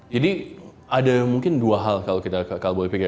jadi ada mungkin dua hal kalau kita boleh pikir